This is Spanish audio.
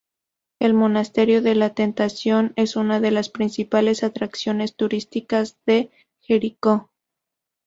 El Monasterio de la Tentación es una de las principales atracciones turísticas de Jericó.